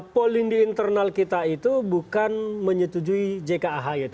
polindi internal kita itu bukan menyetujui jkah itu